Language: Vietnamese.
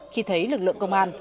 khi thấy lực lượng công an